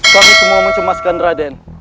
kami semua mencumaskan raden